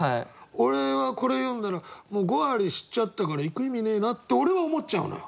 俺はこれ読んだらもう５割知っちゃったから行く意味ねえなって俺は思っちゃうのよ。